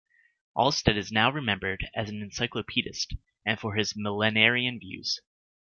Alsted is now remembered as an encyclopedist, and for his millennarian views.